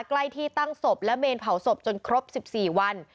ใกล้ที่ตั้งศพและเมนเผาศพจนครบ๑๔วัน